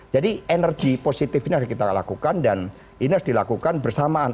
jadi energi positif ini harus kita lakukan dan ini harus dilakukan bersamaan